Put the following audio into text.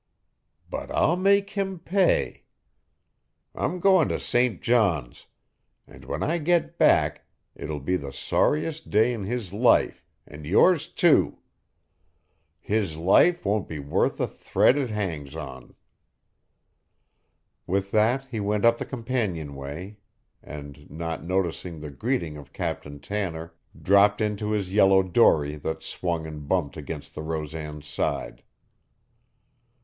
"But I'll make him pay. I'm goin' to St. John's, and when I get back it will be the sorriest day in his life and yours, too. His life won't be worth the thread it hangs on!" With that he went up the companionway and, not noticing the greeting of Captain Tanner, dropped into his yellow dory that swung and bumped against the Rosan's side.